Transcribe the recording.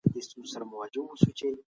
تحليل به پرېکړې اسانه کړي.